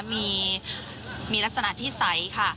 มีลักษณะที่ใสค่ะ